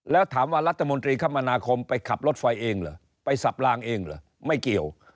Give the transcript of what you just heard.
แล้วถามว่ารัฐมนตรีคมนาคมไปขับรถไฟเองเหรอไปสับลางเองเหรอไม่เกี่ยว